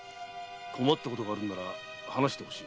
困ったことがあるのなら話してほしい。